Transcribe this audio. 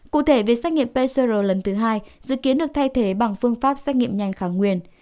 cụ thể việc xét nghiệm pcr lần thứ hai dự kiến được thay thế bằng phương pháp xét nghiệm nhanh khả nguy